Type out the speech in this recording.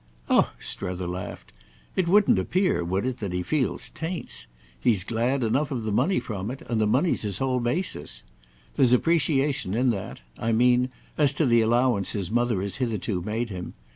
"Oh," Strether laughed, "it wouldn't appear—would it?—that he feels 'taints'! He's glad enough of the money from it, and the money's his whole basis. There's appreciation in that—I mean as to the allowance his mother has hitherto made him.